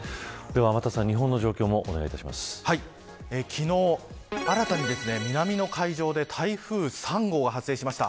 天達さん昨日新たに南の海上で台風３号が発生しました。